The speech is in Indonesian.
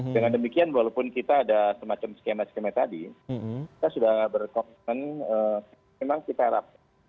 dengan demikian walaupun kita ada semacam skema skema tadi kita sudah berkomitmen memang kita harap